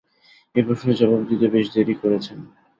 এই প্রশ্নটির জবাব দিতে বেশ দেরি করেছেন।